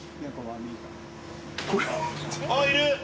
あっいる。